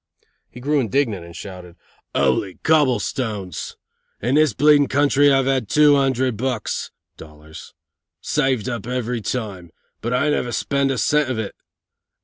He grew indignant and shouted: "'Oly Cobblestones! In this country I have two hundred bucks (dollars) saved up every time, but I never spend a cent of it.